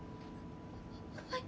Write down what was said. はい。